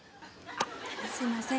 すいません。